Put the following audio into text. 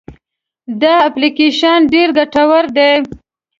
دا اپلیکیشن ډېر ګټور دی.